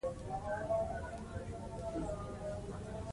بری ستاسو په دی.